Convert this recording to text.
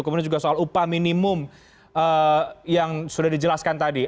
kemudian juga soal upah minimum yang sudah dijelaskan tadi